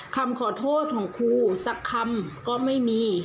คำขอโทษของครูสักคำก็ไม่มี